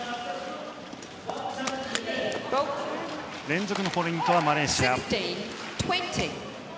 連続ポイント、マレーシア。